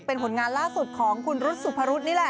เป็นผลงานล่าสุดของคุณรุษสุพรุษนี่แหละ